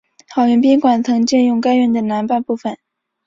好园宾馆曾借用该院的南半部分。